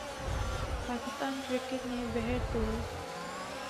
Pakistan cricket نے بہرطور